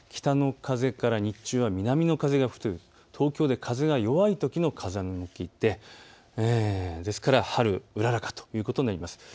北の風から日中、南の風が吹く、東京では風が弱いときの風向きでですから春うららかということになります。